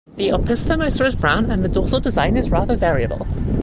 The opisthosoma is brown and the dorsal design is rather variable.